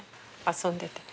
遊んでて。